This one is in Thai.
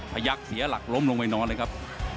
ยักษียหลักล้มลงไปนอนเลยครับ